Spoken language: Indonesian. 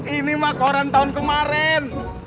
ini mah koran tahun kemaren